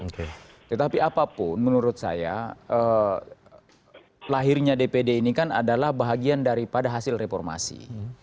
tetapi apapun menurut saya lahirnya dpd ini kan adalah bahagian daripada hasil reformasi